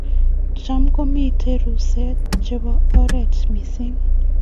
Cham komiten ruset chebo oret missing